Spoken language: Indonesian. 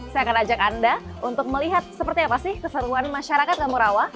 saya akan ajak anda untuk melihat seperti apa sih keseruan masyarakat kampung rawa